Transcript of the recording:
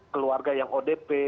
keluarga yang odp